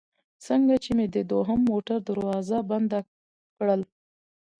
څنګه چې مې د دوهم موټر دروازه بنده کړل.